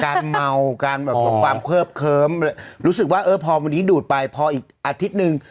เมาการแบบความเคิบเคิ้มรู้สึกว่าเออพอวันนี้ดูดไปพออีกอาทิตย์หนึ่ง